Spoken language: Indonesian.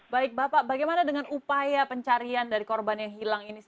baik bapak bagaimana dengan upaya pencarian dari korban yang hilang ini